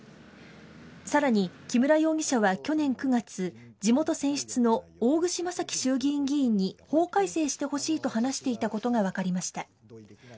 さらに、木村容疑者は去年９月、地元選出の大串正樹衆議院議員に法改正してほしいと話していたことが分かりました。